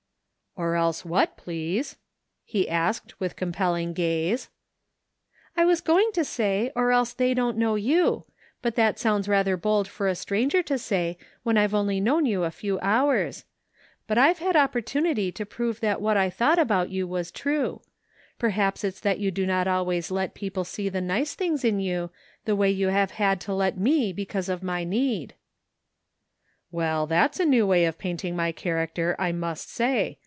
" Or else what, please? " he asked with compelling gaze. " I was goihg to say or else they don't know you; but that sounds rather bold for a stranger to say when I've only known you a few hours. But I've had oppor tunity to prove that what I thought about you was true. Perhaps it's that you do not always let people see the nice things in you the way you have had to let me because of my need." " Well, that's a new way of painting my character, I must say.